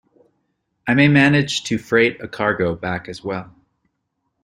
I may manage to freight a cargo back as well.